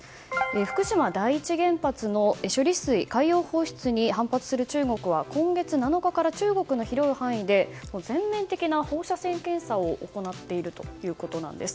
福島第一原発の処理水海洋放出に反発する中国は今月７日から中国の広い範囲で全面的な放射線検査を行っているということなんです。